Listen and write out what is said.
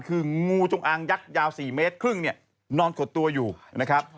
คืองูจงอางยักษ์ยาว๔เมตรครึ่งเนี่ยนอนขดตัวอยู่นะครับ